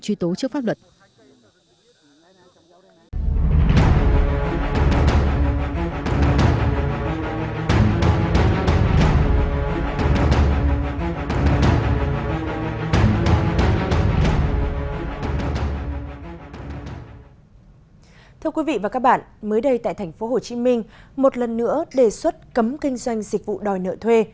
quý vị và các bạn mới đây tại tp hcm một lần nữa đề xuất cấm kinh doanh dịch vụ đòi nợ thuê